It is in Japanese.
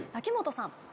瀧本さん。